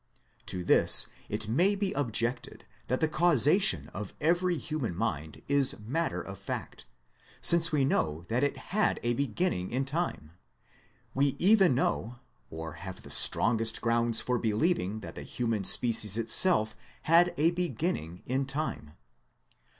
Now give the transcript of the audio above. To this it may be objected that the causation of every human mind is matter of fact, since we know that it had a beginning in time. We even know, or have the strongest grounds for believing that the human species itself had a beginning in time.